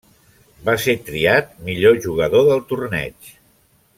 Va ser triat millor jugador del torneig.